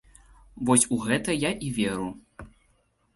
Вось у гэта я і веру.